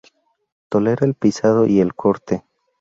Tolera el pisado y el corte.